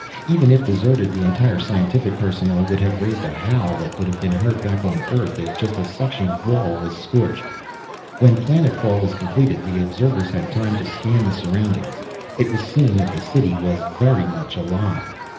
Even if deserted, the entire scientific personnel would have raised a howl that would have been heard back on Earth if just a section of wall was scorched. When planet fall was completed and observers had time to scan the surroundings it was seen that the city was very much alive.